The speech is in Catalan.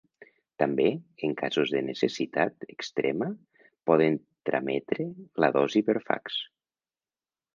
També, en casos de necessitat extrema, poden trametre la dosi per fax.